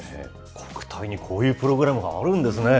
国体にこういうプログラムがあるんですね。